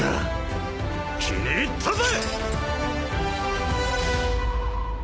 気に入ったぜ！！